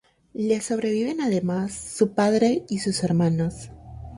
Le sobreviven además su padre y sus hermanos.